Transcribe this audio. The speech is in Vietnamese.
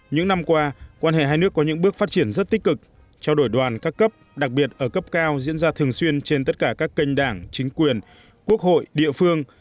những năm qua quan hệ hai nước có những bước phát triển rất tích cực trao đổi đoàn các cấp đặc biệt ở cấp cao diễn ra thường xuyên trên tất cả các kênh đảng chính quyền quốc hội địa phương